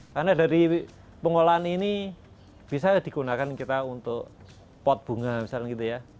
karena dari pengolahan ini bisa digunakan kita untuk pot bunga misalnya gitu ya